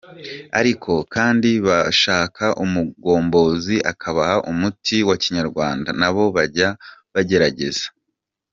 ariko kandi bashaka umugombozi akabaha umuti wa kinyarwanda nabo bajya bagerageza.